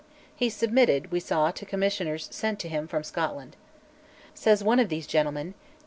He submitted, we saw, to commissioners sent to him from Scotland. Says one of these gentlemen, "He